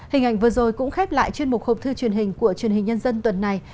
hình ảnh vừa rồi cũng khép lại chuyên mục hộp thư truyền hình của truyền hình nhân dân tuần này